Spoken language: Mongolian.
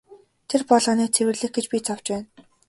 Тэр болгоныг цэвэрлэх гэж би зовж байна.